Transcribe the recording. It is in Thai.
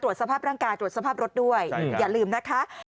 สภาพร่างกายตรวจสภาพรถด้วยอย่าลืมนะคะ